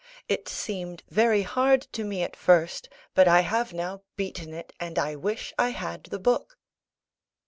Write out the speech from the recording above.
It seemed very hard to me at first; but I have now beaten it, and I wish I had the book."